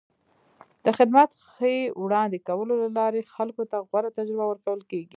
د خدمت ښې وړاندې کولو له لارې خلکو ته غوره تجربه ورکول کېږي.